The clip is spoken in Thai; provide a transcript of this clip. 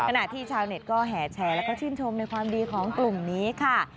ขณะที่ชาวเน็ตก็แห่แชร์แล้วก็ชื่นชมในความดีของกลุ่มนี้ค่ะ